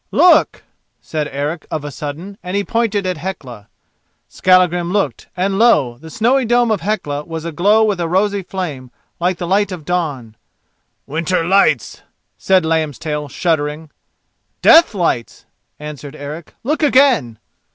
"Look," said Eric of a sudden, and he pointed to Hecla. Skallagrim looked, and lo! the snowy dome of Hecla was aglow with a rosy flame like the light of dawn. "Winter lights," said Lambstail, shuddering. "Death lights!" answered Eric. "Look again!"